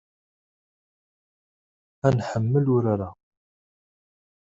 Ad nḥemmel urar-a.